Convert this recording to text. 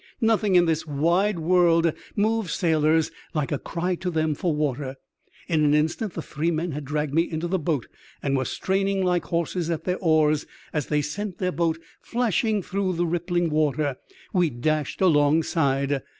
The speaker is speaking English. Nothing in this wide world moves sailors like a cry to them for water. In an instant the three men had dragged me into the boat, and were straining like horses at their oars, as they sent the boat flashing through the rippling water. We dashed alongside.